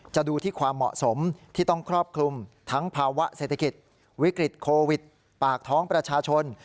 ดูที่ความเหมาะสมที่ต้องครอบคลุมทั้งภาวะเศรษฐกิจวิกฤตโควิดปากท้องประชาชน